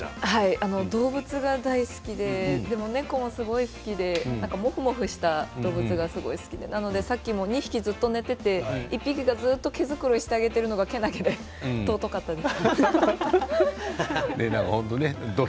動物が大好きで猫もすごく好きでモフモフした動物が好きでさっきも２匹ずっと寝ていて１匹がずっと毛繕いをしてあげているのがけなげで尊かったです。